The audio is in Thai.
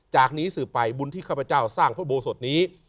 จากนี้สืบไปบุญที่ข้าพเจ้าสร้างพระโบสถนี้